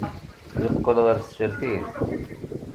Yeqqel ɣer tsertit.